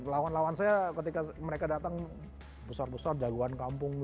lawan lawan saya ketika mereka datang besar besar jagoan kampung